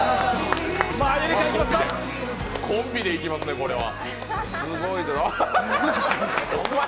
コンビでいきますね、これは。